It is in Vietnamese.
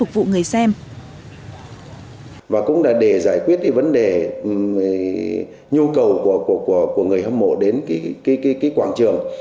và cũng đã để giải quyết vấn đề nhu cầu của người hâm mộ đến quảng trường